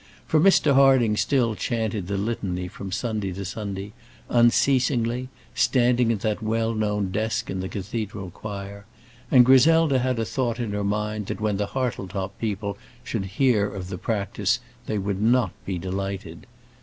For Mr. Harding still chanted the Litany from Sunday to Sunday, unceasingly, standing at that well known desk in the cathedral choir; and Griselda had a thought in her mind that when the Hartletop people should hear of the practice they would not be delighted.